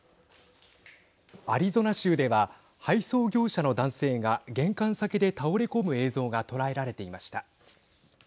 アリゾナ州では配送業者の男性が玄関先で倒れ込む映像が捉えられていました。